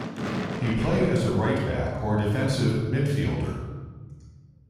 He played as a right-back or defensive midfielder.